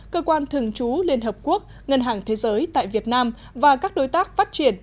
cơ quan thường trú liên hợp quốc ngân hàng thế giới tại việt nam và các đối tác phát triển